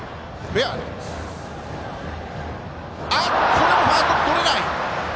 これもファーストとれない！